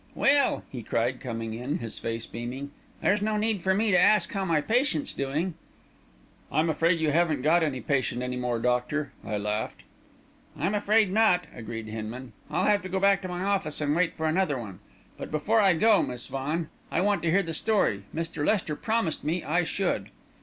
"Well!" he cried, coming in, his face beaming. "There's no need for me to ask how my patient's doing!" "I'm afraid you haven't got any patient, any more, doctor," I laughed. "I'm afraid not," agreed Hinman. "I'll have to go back to my office and wait for another one. But before I go, Miss Vaughan, I want to hear the story. Mr. Lester promised me I should."